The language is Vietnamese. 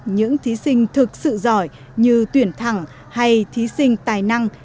những thí sinh thực sự giỏi như tuyển thẳng hay thí sinh tài năng